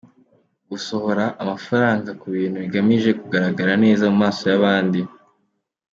Gusohora amafaranga ku bintu bigamije kugaragara neza mu maso y’abandi.